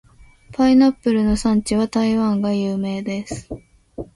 パイナップルの産地は台湾が有名です。